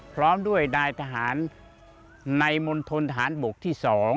พร้อมด้วยนายทหารในมณฑนทหารบกที่๒